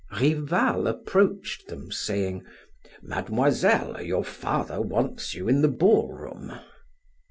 Rival approached them saying: "Mademoiselle, your father wants you in the ballroom."